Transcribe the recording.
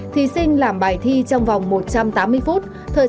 thí sinh làm bài thi trong vòng một trăm tám mươi phút